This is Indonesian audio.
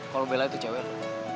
kalau bella itu cewek lo